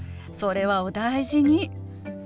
それはお大事に。